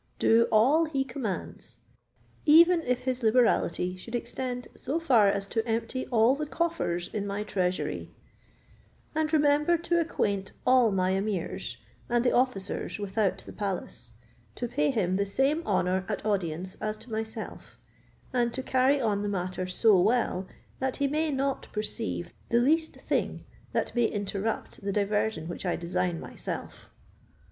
Do all he commands; even if his liberality should extend so far as to empty all the coffers in my treasury; and remember to acquaint all my emirs, and the officers without the palace, to pay him the same honour at audience as to myself, and to carry on the matter so well, that he may not perceive the least thing that may interrupt the diversion which I design myself."